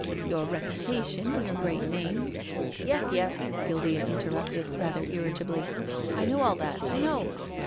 Your reputation, your great name "" Yes, yes," Guildea interrupted, rather irrita bly—" I know all that, I know."